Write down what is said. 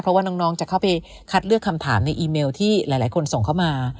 เพราะว่าน้องจะเข้าไปคัดเลือกคำถามในอีเมลที่หลายคนส่งเข้ามา